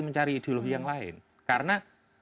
mencari ideologi yang lain karena